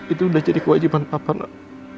itu udah jadi kewajiban papa nak